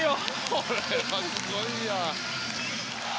これはすごいや。